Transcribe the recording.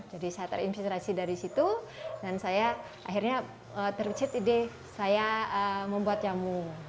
jadi saya terinspirasi dari situ dan saya akhirnya terbicara ide saya membuat jamu